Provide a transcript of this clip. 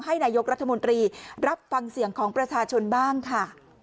นายกรัฐมนตรีรับฟังเสียงของประชาชนบ้างค่ะ